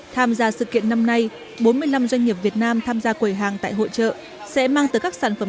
tham gia sự kiện năm nay bốn mươi năm doanh nghiệp việt nam tham gia quẩy hàng tại hội trợ